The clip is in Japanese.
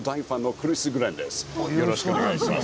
よろしくお願いします。